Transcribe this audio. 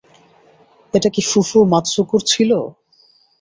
এটা কি ফুফু মাতসুকোর ছিল?